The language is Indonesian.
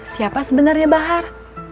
siapa sebenarnya bahar